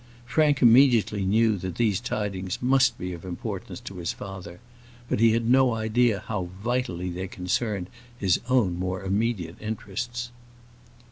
Frank immediately knew that these tidings must be of importance to his father; but he had no idea how vitally they concerned his own more immediate interests.